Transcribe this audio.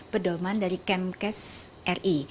pedoman dari kemkes ri